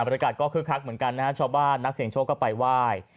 ริกาก็คึกคักเหมือนกันนะฮะชาวบ้านนักเสียงโชคก็ไปไหว้